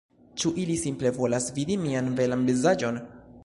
Ĉu ili simple volas vidi mian belan vizaĝon?